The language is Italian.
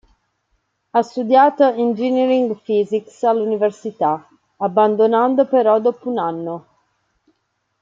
Ha studiato engineering physics all'università, abbandonando però dopo un anno.